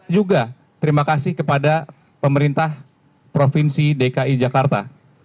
juga terima kasih kepada pemerintah provinsi dki jakarta